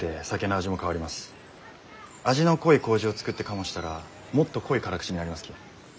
味の濃い麹を作って醸したらもっと濃い辛口になりますき。